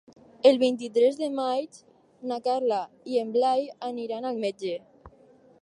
El vint-i-tres de maig na Carla i en Blai aniran al metge.